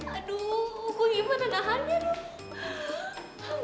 aduh gue ngibah tenahannya dong